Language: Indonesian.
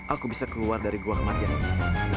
aku bisa keluar dari gua kematian ini